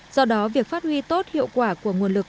do đó việc phát huy tốt hiệu quả của nguồn lực